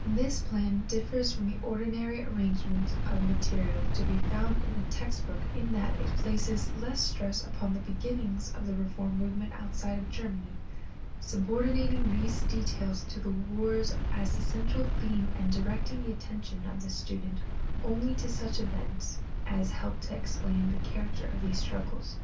This plan differs from the ordinary arrangement of material to be found in the text book in that it places less stress upon the beginnings of the reform movement outside of Germany, subordinating these details to the wars as the central theme and directing the attention of the student only to such events as help to explain the character of these struggles.